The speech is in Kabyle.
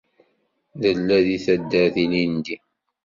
Nella di taddart ilindi.